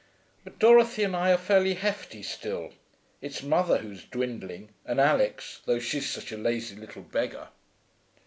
But Dorothy and I are fairly hefty still. It's mother who's dwining; and Alix, though she's such a lazy little beggar.